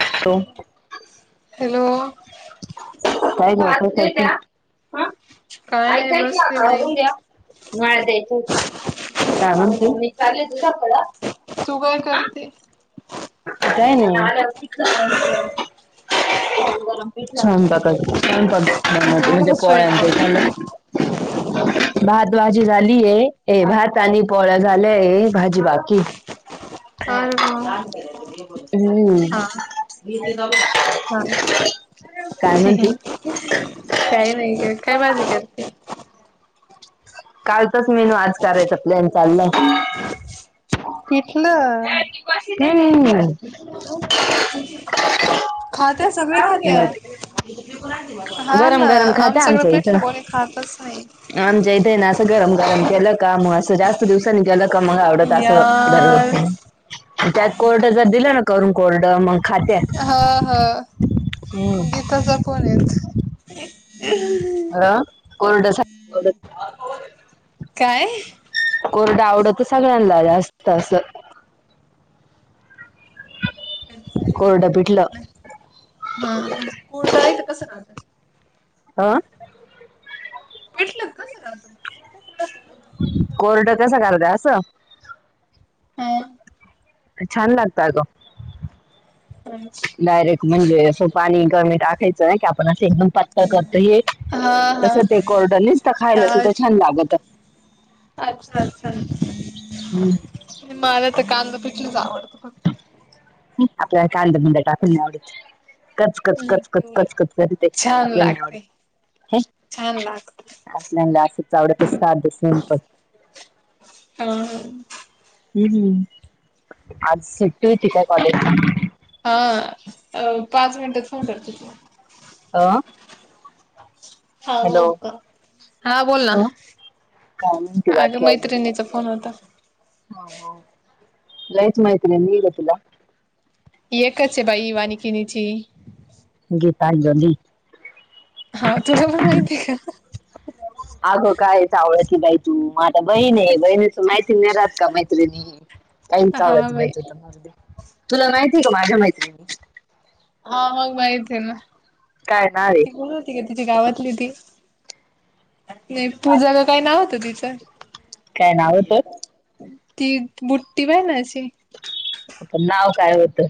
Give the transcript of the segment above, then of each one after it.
Hello hello काय मी होतो त्याचं काय नाही बसते बाई [unintelligible] मळा द्यायच होता. काय मनते मम्मी चागल तुझ कड तू काय करते? काय नाही [unintelligible] गरम गरम पिठलं स्वयंपाकाचा स्वयंपाक झाला म्हणजे का पोळ्याते स्वयंपाक झाल. [inaudible] भात भाजी झालीय. ए भात आणि पोळ्या झालय भाजी बाकी हा हा हम्म [unintelligible] इथे जाऊ [unintelligible] काय हहह म्हणते काही नाही काही भाजी करते? कालचाच मेन्यू आज करायचा प्लॅन चाललाय. पिठलं हम्म खात्या सगळे खात्या हा गरम ना गरम आमच खाता सगळं आमच्या पिठल इथं कोणी खातच नाही. आमच्या इथे ना असं गरम गरम केलं. का मग असं जास्त दिवसानी केल का मंग आवडत असं दररोज यार नाही त्यात कोर तर जर दिलं ना करून कोरड मग खात्या. हं हं गीताचा फोन येत. हा कोरडसाठी [inaudible] काय कोरडं आवडत सगळ्यांना जास्त असं कधीतरी होतय पिठलं हा मग कोरड इथं कसं करतात. हा पिठलं कसं राहतं मग कोरड कोरड कोरडं कसं करत्या असं हा छान लागत आग हंम डायरेक्ट म्हणजे असं पाणी कमी टाकायचं नाही का आपण असं एकदम पात करतं हे हा तसं ते कोरड निसत खायला हा सुद्धा छान लागत. अच्छा अच्छा मला तर कांदा पेंच आवड फ हं आपल्याला कांदा बिंदा आपल्या नाही आवड कचकच नाही ते कचकच उलट कचकच करी ते छान आपल्याला नाही आवडत. लागते हे छान लागते आपल्याला असंच आवडत साधं सिम्पल. हां हम्म आज सुट्टी होती का कॉलेजला. हं अं पाच मिनिटात फोन करते तुला. अ हा हॅलो बोका हा बोल ना अ काय म्हणते अगं मैत्रिणीचा फोन होता. हो हो लईच मैत्रीणी हे गं तुला एकच हे बाई वाणीकीनी ची गीतांजली. हा तुला पण माहितीये का? आग काय चावळती बाई तू माग आता बहीण हे बहीणीच माहिती नाही राहत का मैत्रिणी, काही बी चावळती बाई तु त मरू दे. तुला माहितीये का माझ्या मैत्रिणी. हा मग माहित हे ना. काय नाव हे. कोन होती गं तीची गावातली ती नाही पूजा का काय नाव होत तिच. काय नाव होतं. ती बुट्टी पायना अशी. पण नाव काय होतं.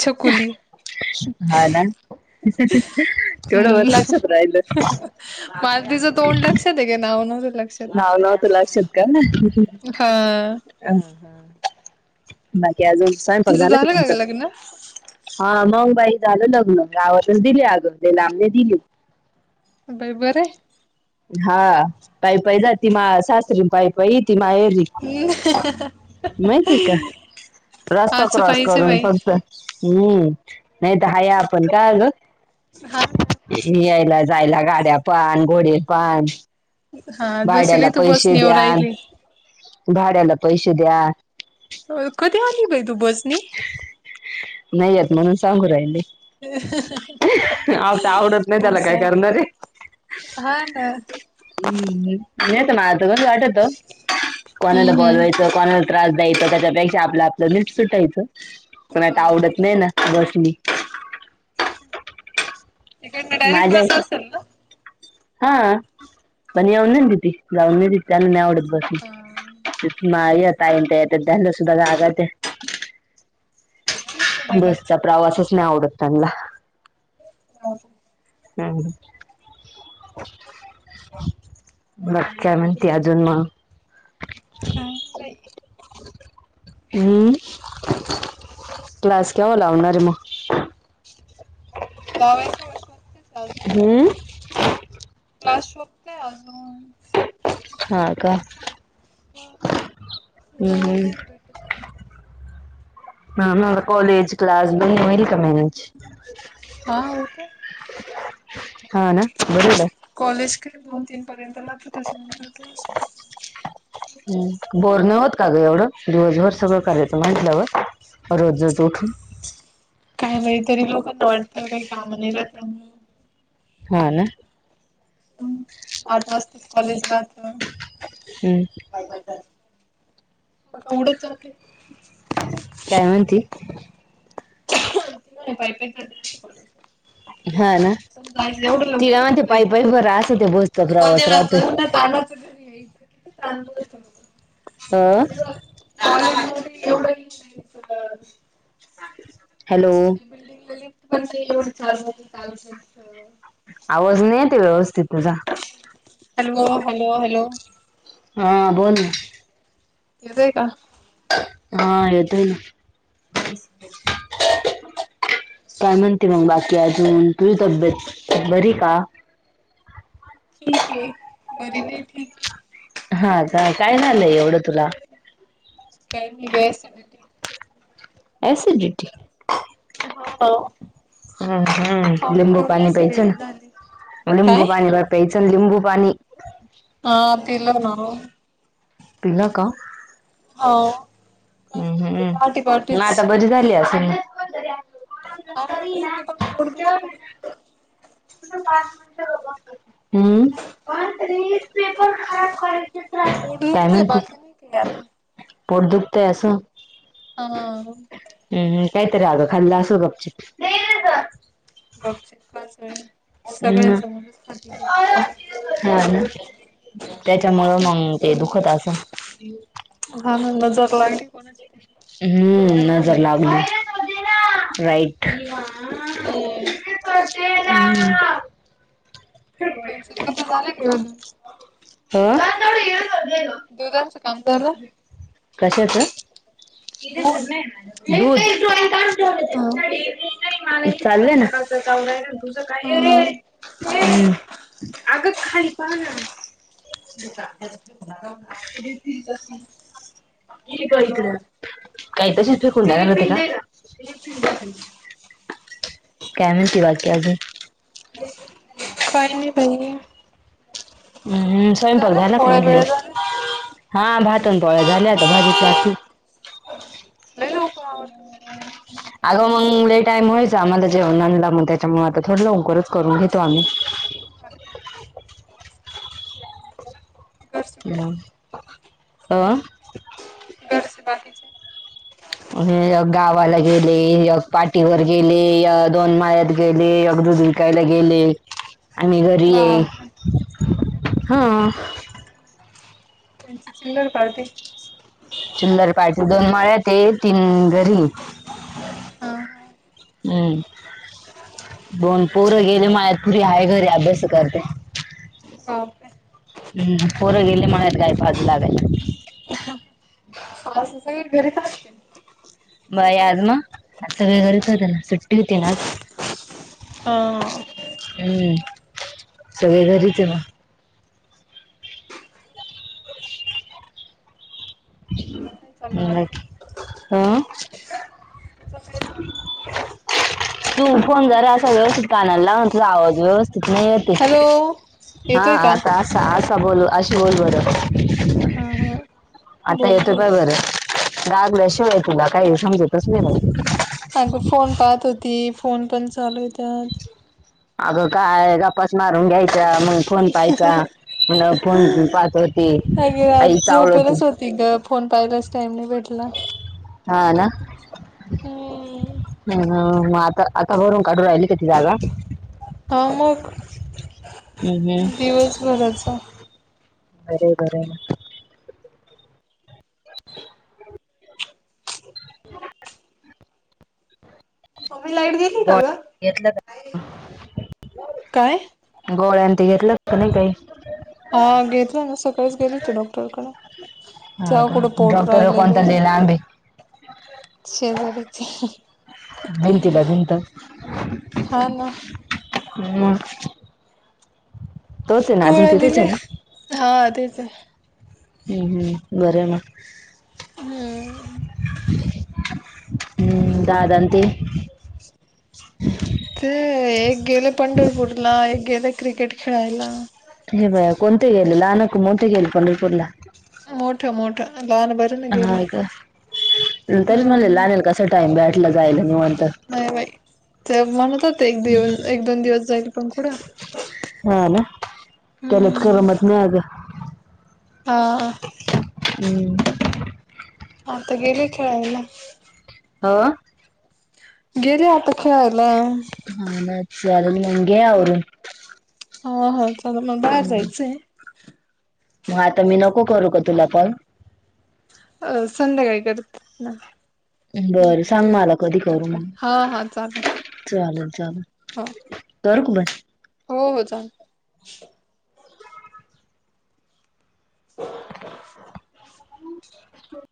छकुली. हा ना हं हं तेवढं बरं लक्षात हम्म राहिलं. मला तीचं तोंड लक्षात हे गे नाव नव्हतं लक क्षात नाव तरी नव्हतं लक्षात आलंना हां हं हा बाकी अजून स्वयंपाक तिचं झाला का झालं ग तुमचा. लग्न हा मंगबाई झालं लग्न गावातचं दिली अगं लई लांब नही दिली. बाई बरं हे. हा पायी पायी जाती मा सासरी पायी पायी येती माहेरी. आहे माहिती का? रस्ता असं क्रॉस पाहिजे करून बाई फक्त हम्म नाही तर हाया आपण काय ग? हा यायला जायला गाड्या पण, घोडे पण. हा भाड्याला जशीली तू पैसे बसनीवर द्या, राहिली भाड्याला पैसे द्या. कधी आली बाई तू बसनी? नाही यत म्हणून सांगू राहिले. आता आवडत नाही त्याला काय हुशार. करणार हा ब हम् [inaudible] वाटत कोणाला हम्म हम्म बोलवायचं. कोणाला त्रास द्यायचा त्याच्यापेक्षा आपलं आपलं नीट सुटायचं पण आता आवडत बापरे नाही ना. बसनी. [unintelligible] डायरेक्ट माझ्या बस असेल ना हा पण येऊन नाही देती, जाऊ नाही देती आणि त्याला नाही आवडत हा बसनी. माई, ताई येते त्यांनासुद्धा [unintelligible] या मग बसचा सोडायला प्रवासच नाही आवडत त्यांना. हो हम्. मग काय म्हणती अजून मग. काही नाही बाई. हम्म क्लास काही केव्हा नाही लावणारे मग? लावायच [unintelligible] हम्म. आशोभतय अजून. हा का हम् हम्म. प ते. ह म कॉलेज, क्लास होईल का मॅनेज? हा होतय. हा ना बर आहे बाई. कॉलेज काय दोन तीन पर्यंत राहत त्याच्यानंतर क्लास [unintelligible] हम बोर नाही होत का ग एवढं? दिवसभर सगळं करायचं म्हटल्यावर. रोजच उठून. काय बाई तरी लोकं [unintelligible] हा ना? हम आठ वाजताच कॉलेज राहत. हम्. पायी पायी चालत. एवढं चालले. काय म्हणती? पायी पायी चालते [unintelligible] हा ना पण जा एवढं लवकर तिला उठून म्हणते पायी जायचं पायी बरा असं ते बसचा प्रवास राहतोय लवकर [unintelligible] [unintelligible] आं? [inaudible] हॅलो [unintelligible] आवाज नाही येते व्यवस्थित तुझा. हॅलो? हॅलो? हॅलो? हा बोल ना. येतोय का? हा, येतोय की. [inaudible] काय म्हणते मग बाकी अजून? तुझी तब्येत बरी आहे का? ठीक आहे, बर नाही, ठीक आहे. हा का? काय झालंय एवढं तुला? [unintelligible] एसिडिटी. हो. हा, हा, खाऊन लिंबू पिऊन पाणी प्यायाच, ऍसिडिटी झाली. काय? लिंबू पाणी [unintelligible] प्यायचं, लिंबूपाणी. हा, पिलो ना. पिला का? हो हं, ह, पहाटे म पहाटेच आता बरी झाली असल? हा ठीक आहे पण पोट दुखतंय. [unintelligible] [unintelligible] हम्म, पोट काय दुखतंय म्हणते? [unintelligible] पोट दुखतय असं. हा. हं, ह, कायतर आग खाल्ला असल गपचप. गपचच हम्म [unintelligible] हा ना त्याच्यामुळं मंग ते दुखत असन. [unintelligible] हा, हा, नजर लागली कोणाची. तरी हम्म, नजर खाण्याला. लागली, राईट. हम्म [unintelligible] अ [unintelligible] दुधाच कशाच? [unintelligible] दुध? दूध हा [unintelligible] चालले ना. तुंझ काये रे, ये, हा. ये, हम्म, ए अगं खाली पाहा ना. [inaudible] अरे ती कशी [unintelligible] [unintelligible] काय म्हणते बाकी आजुन? [inaudible] काय नाही बाई. हम्म, स्वयंपाक झालं झाला का पोळ्या म्हणले? बिळ्या झाल्या हा, भात अन पोळ्या झाल्या, आता भाजीच बाकी. लई लवकर आवरत. अगं मंग लई टाईम व्हायचा आम्हाला जेवणाला, मग त्याच्यामुळे आता थोडं लवकरच करून घेतो आम्ही. माझं काम. घरचे कुठे [unintelligible] अं घरचे बाकीचे आणि यक गावाला गेले, यक पाटीवर गेले, य दोन माळ्यात गेले यक दु गी कायला गेले आम्ही घरी ये, बापरे हा. तुमची चिल्लर पार्टी चील्लर पार्टी दोन मळ्यात ये तीन घरी ये. हा हम्म. दोन पोर गेले माळ्यात पुरी हाय घरी अभ्यास करत्या. हा बापरे हम्म पोरं गेले मळ्यात गाय पाजू लागायला. सासु सगळे घरीच असतीन. बाय आज ना, आज सगळे घरीच होते न सुट्टी होती ना आज हो. हम्म सगळे घरीच ये म काय चाललं बाकी [unintelligible] अं तुझं [unintelligible] तू फोन जरा असा व्यवस्थित कानाला लाव ना तुझा आवाज व्यवस्थित नाय येत ये. हॅलो हां येतोय का? आता आसा आसा बोलु अशी बोल बरं हा हा. आता बोल येतोय बोल पाय बरं, गागल्या शिवाय तुला काय समजतच नाय [unintelligible] कारण क फोन पाहत होती फोन पण चालूये त्यात अगं काय गप्पाच मारून घ्यायच्या मंग फोन पायचा. म्हंण फोन मी पाहत होत अग आज झोपेतच होती ग फोन पाहिलाच टाईम नाय भेटला. हा ना हम्म. हं हं म आता-आता भरून काढु राह्यली का ती जागा? हो मग, हम्म हम्म दिवसभराचा बरे बरंय म [unintelligible] [unintelligible] मम्मी लाईट गेलीय का गोळ ग घेतलं का? हाये काय गोळ्यान ते घेतलं तुम्ही काई हा घेतल ना सकाळीच गेली होती डॉक्टरकड हा तेव्हा का कुठ पोट डॉक्टर राहिलय कोणता बाई दिला आंबे शेजारीचये भिंतीला भिंत हा ना म अजून गोळ्या तिथंच दिले आहे ना? हा तेच न हूं हूं बरंय म हम्म. हूं दादांन ते ते एक गेलय पंढरपूरला, एक गेलय क्रिकेट खेळायला. ये बया कोणत गेले? लहान का मोठ गेले पंढरपूरला? मोठ मोठ लहान ब हाय का तरीच म्हणले हम्म लान्याला कसा टाइम भेटला जायला निवांत नाय बाई ते म्हणत होत एक दिन एक दोन दिवस जाईल पण कुडं हा ना त्यालाच हम्म. करमत नाय अग हा! [unintelligible] आता गेले खेळायला. हा! गेले आता. खेळायला. [inaudible] हा हा चला मग बाहेर जायचंय. म आता मी नको करू का तुला कॉल, अ संध्याकाळी कर ना. बरं सांग मला कधी करू मग हा हा चालेल चालेल चालेल. हो करू का बंद. हो हो चाले. [unintelligible] [unintelligible]